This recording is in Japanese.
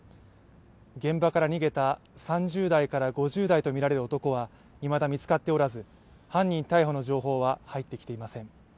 現場から逃げた３０代から５０代とみられる男はいまだ見つかっておらず犯人逮捕の情報は入ってきていません。